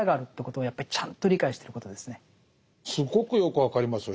すごくよく分かりますよ。